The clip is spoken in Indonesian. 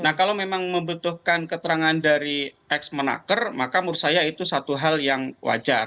nah kalau memang membutuhkan keterangan dari ex menaker maka menurut saya itu satu hal yang wajar